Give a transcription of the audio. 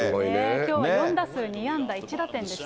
きょうは４打数２安打１打点でした。